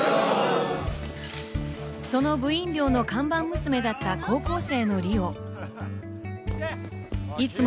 その部員寮の看板娘だった高校生の梨央いつも